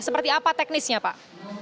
seperti apa teknisnya pak